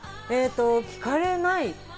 聞かれない。